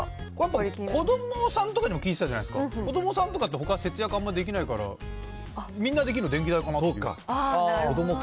子どもさんとかにも聞いてたじゃないですか、子どもさんとかって節約あんまりできないから、みんなできるの、あー、なるほど。